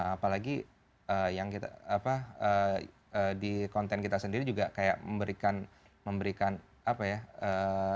apalagi yang kita apa di konten kita sendiri juga kayak memberikan memberikan apa ya